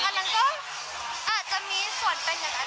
อันนั้นก็อาจจะมีส่วนเป็นอย่างนั้น